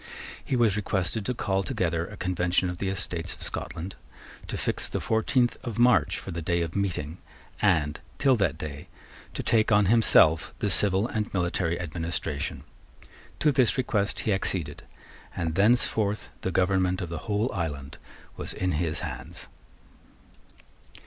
He was requested to call together a Convention of the Estates of Scotland, to fix the fourteenth of March for the day of meeting, and, till that day, to take on himself the civil and military administration. To this request he acceded; and thenceforth the government of the whole island was in his hands.